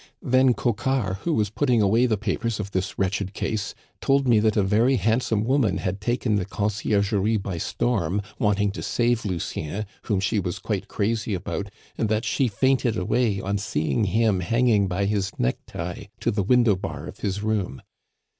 Then Coquart, who was putting away the papers of this wretched case, told me that a very handsome woman had taken the Conciergerie by storm, wanting to save Lucien, whom she was quite crazy about, and that she fainted away on seeing him hanging by his necktie to the window bar of his room.